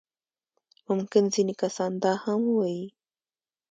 ممکن ځينې کسان دا هم ووايي.